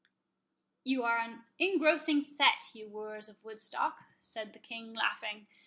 "You are an engrossing set, you wooers of Woodstock," said the King, laughing.